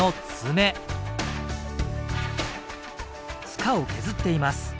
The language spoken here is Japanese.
塚を削っています。